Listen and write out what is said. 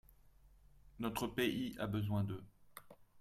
Notre pays a besoin d’eux.